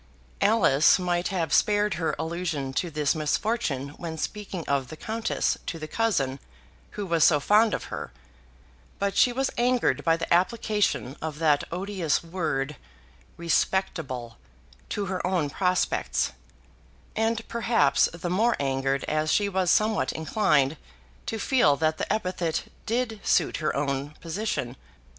Alice might have spared her allusion to this misfortune when speaking of the countess to the cousin who was so fond of her, but she was angered by the application of that odious word respectable to her own prospects; and perhaps the more angered as she was somewhat inclined to feel that the epithet did suit her own position.